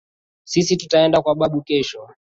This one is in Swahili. Sisi tutaenda kwa babu kesho